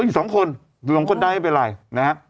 อยู่๒คนหลุงคนได้ไม่เป็นไรนะฮะ